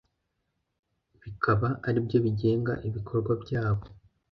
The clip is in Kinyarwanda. bikaba ari byo bigenga ibikorwa byabo;